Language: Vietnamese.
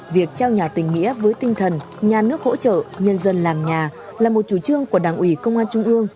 việc trao nhà tình nghĩa với tinh thần nhà nước hỗ trợ nhân dân làm nhà là một chủ trương của đảng ủy công an trung ương